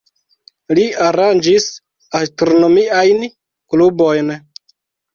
Li aranĝis astronomiajn klubojn.